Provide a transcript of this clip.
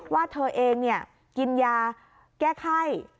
ว่าเธอเองกินยาแก้ไข้